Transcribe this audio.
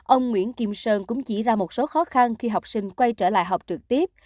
ông nguyễn kim sơn cũng chỉ ra một số khó khăn khi học sinh quay trở lại học trực tiếp